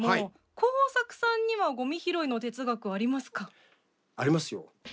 ＫＯＵＳＡＫＵさんにはごみ拾いの哲学ありますか？